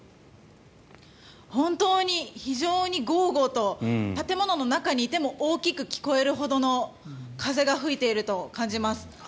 本当に非常にゴーゴーと建物の中にいても大きく聞こえるほどの風が吹いていると感じます。